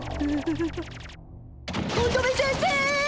乙女先生！